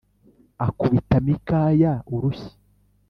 akubita Mikaya urushyi